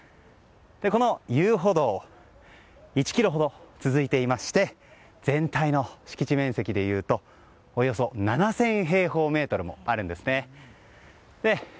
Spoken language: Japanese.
この遊歩道、１ｋｍほど続いていまして全体の敷地面積でいうとおよそ７０００平方メートルもあるんですね。